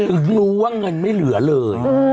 สนุกว่าเงินไม่เหลือเลย